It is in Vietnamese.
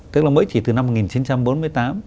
tức là mới chỉ từ năm